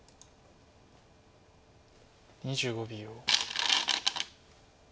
２５秒。